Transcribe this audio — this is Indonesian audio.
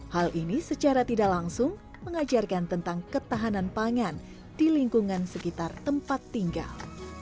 hal ini secara tidak langsung mengajarkan tentang ketahanan pangan di lingkungan sekitar tempat tinggal